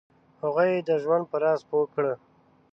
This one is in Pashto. هغوی یې د ژوند په راز پوه کړه.